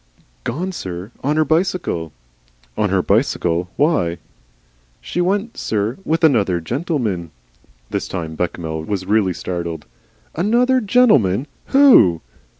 "Gone, sir. On her bicycle." "On her bicycle! Why?" "She went, sir, with Another Gentleman." This time Bechamel was really startled. "An other Gentlemen! WHO?"